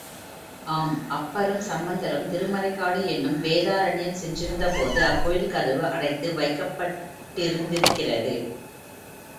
ஆம், அப்பரும், சம்பந்தரும் திருமறைக்காடு என்னும் வேதாரண்யம் சென்றிருந்தபோது அக்கோயில் கதவு அடைத்து வைக்கப்பட் டிருந்திருக்கிறது.